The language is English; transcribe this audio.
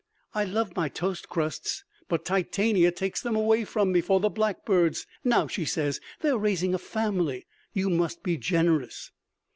I love my toast crusts, but Titania takes them away from me for the blackbirds. "Now," she says, "they're raising a family. You must be generous."